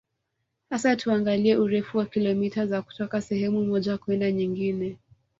Sasa tuangalie urefu wa kilomita za kutoka sehemu moja kwenda nyingine